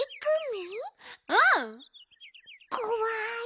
こわい